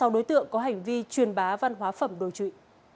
sáu đối tượng có hành vi truyền bá văn hóa phẩm đồ trụy